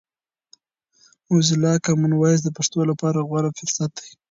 موزیلا کامن وایس د پښتو لپاره غوره فرصت دی.